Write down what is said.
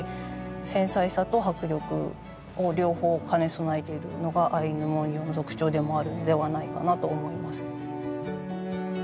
繊細さと迫力を両方兼ね備えているのがアイヌ文様の特徴でもあるのではないかなと思います。